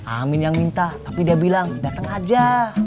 amin yang minta tapi dia bilang datang aja